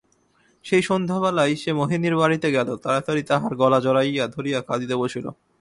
সেই সন্ধ্যাবেলাই সে মোহিনীর বাড়িতে গেল, তাড়াতাড়ি তাহার গলা জড়াইয়া ধরিয়া কাঁদিতে বসিল।